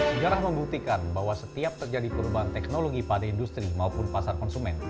sejarah membuktikan bahwa setiap terjadi perubahan teknologi pada industri maupun pasar konsumen